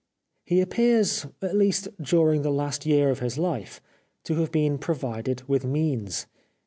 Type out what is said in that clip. He appears, at least during the last year of his life, to have been provided with means.